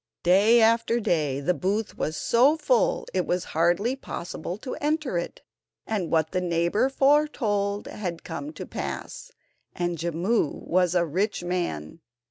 Day after day the booth was so full it was hardly possible to enter it, and what the neighbour foretold had come to pass, and Jimmu was a rich man.